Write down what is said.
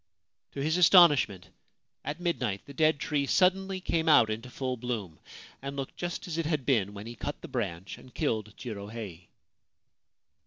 To his astonishment, at midnight the dead tree suddenly came out into full bloom, and looked just as it had been when he cut the branch and killed Jirohei.